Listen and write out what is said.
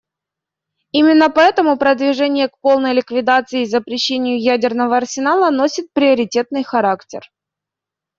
Именно поэтому продвижение к полной ликвидации и запрещению ядерного арсенала носит приоритетный характер.